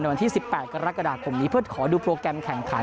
วันที่๑๘กรกฎาคมนี้เพื่อขอดูโปรแกรมแข่งขัน